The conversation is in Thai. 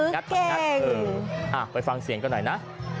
คึกเก่งเอออ่ะไปฟังเสียงกันหน่อยนะ